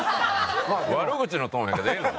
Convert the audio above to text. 悪口のトーンやけどええの？